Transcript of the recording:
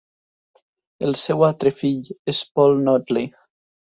El seu altre fill és Paul Notley.